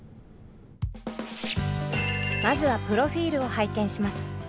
まずはプロフィールを拝見します。